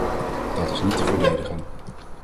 Dat is niet te verdedigen.